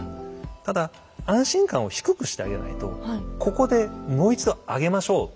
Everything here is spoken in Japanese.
ただ安心感を低くしてあげないとここでもう一度上げましょう。